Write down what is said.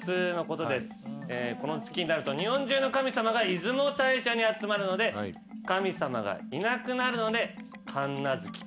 この月になると日本中の神様が出雲大社に集まるので神様がいなくなるので神無月という説がありますね。